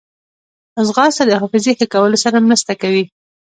ځغاسته د حافظې ښه کولو سره مرسته کوي